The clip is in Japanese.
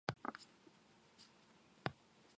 「明日も来ようよ」、君は言った。うんと僕はうなずいた